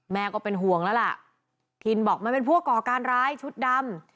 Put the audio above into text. ก็เป็นห่วงแล้วล่ะทินบอกมันเป็นผู้ก่อการร้ายชุดดำ